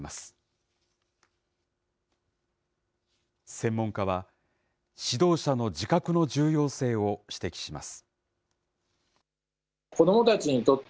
専門家は、指導者の自覚の重要性を指摘します。